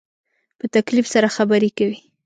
په تکلف سره خبرې کوې